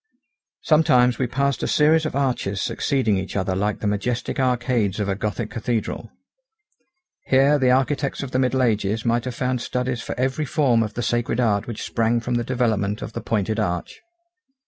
Sometimes we passed a series of arches succeeding each other like the majestic arcades of a gothic cathedral. Here the architects of the middle ages might have found studies for every form of the sacred art which sprang from the development of the pointed arch.